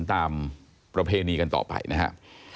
ตามประเพณีกันต่อไปนะครับ